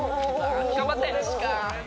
頑張って。